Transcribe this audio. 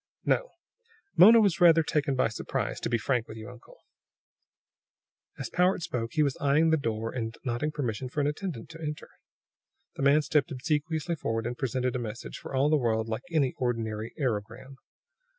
"No. Mona was rather taken by surprise to be frank with you, uncle." As Powart spoke, he was eyeing the door and nodding permission for an attendant to enter. The man stepped obsequiously forward and presented a message, for all the world like any ordinary aerogram.